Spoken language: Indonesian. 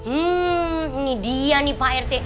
hmm ini dia nih pak rt